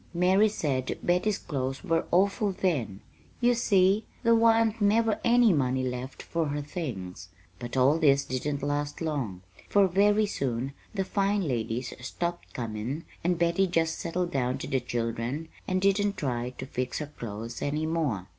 Mary said Betty's clo's were awful, then. You see, there wa'n't never any money left for her things. But all this didn't last long, for very soon the fine ladies stopped comin' and Betty just settled down to the children and didn't try to fix her clo's any more.